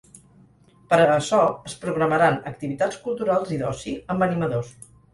Per a açò, es programaran activitats culturals i d’oci, amb animadors.